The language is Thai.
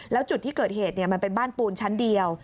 แล้วจุดที่เกิดเหตุมันเป็นบ้านปูนชั้นเดียว